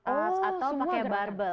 atau pakai barbell